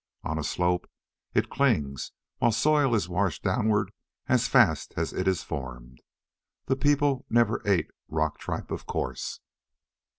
On a slope, it clings while soil is washed downward as fast as it is formed. The people never ate rock tripe, of course.